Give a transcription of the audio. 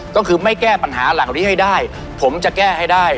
ก็คือไม่แก้ปัญหาเหล่านี้ให้ได้ผมจะแก้ให้ได้